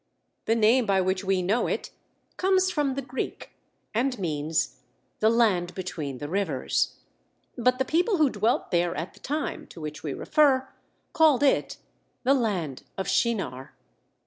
The name by which we know it comes from the Greek, and means, "The land between the rivers" but the people who dwelt there at the time to which we refer called it the "Land of Shinar."